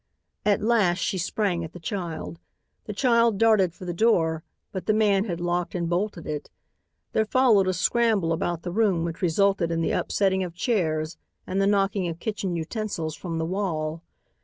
At last she sprang at the child. The child darted for the door, but the man had locked and bolted it. There followed a scramble about the room which resulted in the upsetting of chairs and the knocking of kitchen utensils from the wall.